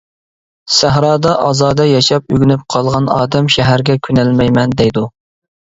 سەھرادا ئازادە ياشاپ ئۆگىنىپ قالغان ئادەم شەھەرگە كۆنەلمەيمەن، دەيدۇ.